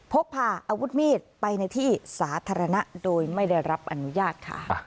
พกพาอาวุธมีดไปในที่สาธารณะโดยไม่ได้รับอนุญาตค่ะ